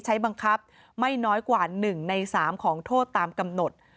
ใช้บังคับไม่น้อยกว่า๑ใน๓ของโทษตามกำหนด